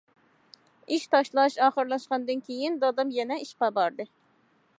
ئىش تاشلاش ئاخىرلاشقاندىن كېيىن، دادام يەنە ئىشقا باردى.